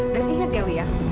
dan inget ya wi